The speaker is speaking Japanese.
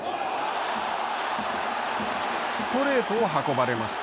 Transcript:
ストレートを運ばれました。